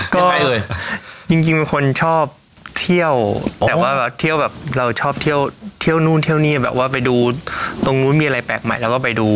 ก็เลยจริงเป็นคนชอบเที่ยวแต่ว่าเที่ยวแบบเราชอบเที่ยวเที่ยวนู่นเที่ยวนี่แบบว่าไปดูตรงนู้นมีอะไรแปลกใหม่เราก็ไปดู